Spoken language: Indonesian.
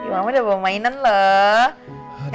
mama udah bawa mainan lah